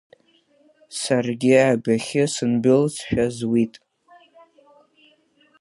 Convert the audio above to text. Саргьы адәахьы сындәылҵшәа зуит.